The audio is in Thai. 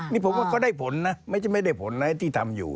นี่ผมว่าเขาได้ผลนะไม่ได้ผลในที่ทำอยู่